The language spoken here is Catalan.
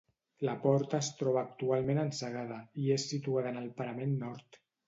La porta es troba actualment encegada, i és situada en el parament nord.